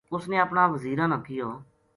اُس نے اپنا وزیراں نا کہیو